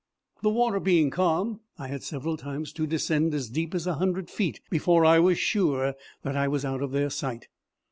The water being calm, I had several times to descend as deep as a hundred feet before I was sure that I was out of their sight.